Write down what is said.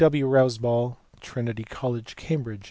W. W. ROUSE BALL. TRINITY COLLEGE, CAMBRIDGE.